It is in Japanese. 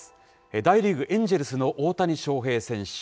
大リーグ・エンジェルスの大谷翔平選手。